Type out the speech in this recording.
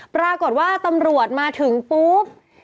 ปรากฏว่าตำรวจมาถึงปุ๊บ